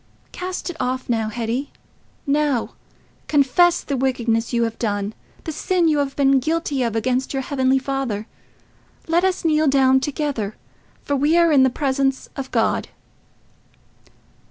Cast it off now, Hetty—now: confess the wickedness you have done—the sin you have been guilty of against your Heavenly Father. Let us kneel down together, for we are in the presence of God."